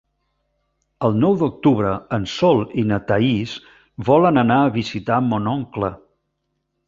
El nou d'octubre en Sol i na Thaís volen anar a visitar mon oncle.